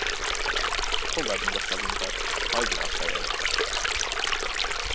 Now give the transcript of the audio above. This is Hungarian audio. Fogadd meg a szavunkat, hajtsd le a fejed!